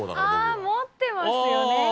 あぁ持ってますよね。